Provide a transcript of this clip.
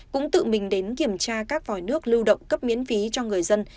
cũng tự mình đến kiểm tra các vòi nước lưu động cấp miễn phí cho người dân